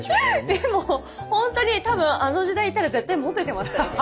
でも本当に多分あの時代いたら絶対モテてましたよ。